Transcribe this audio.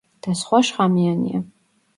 და სხვა შხამიანია.